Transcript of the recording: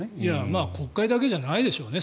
まあ国会だけじゃないでしょうね。